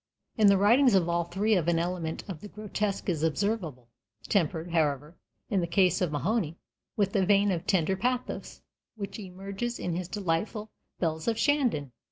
In the writings of all three an element of the grotesque is observable, tempered, however, in the case of Mahony, with a vein of tender pathos which emerges in his delightful "Bells of Shandon."